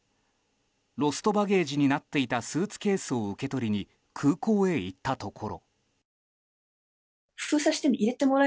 ロストバゲージになっていたスーツケースを受け取りに空港へ行ったところ。